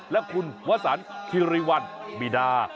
และคุณวะสันทีรีวัลมีดา